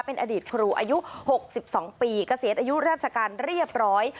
เป็นอดีตครูอายุ๖๒ปีเกษียณอายุราชการเรียบร้อย